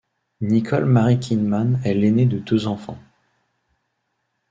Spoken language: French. Nicole Mary Kidman est l'aînée de deux enfants.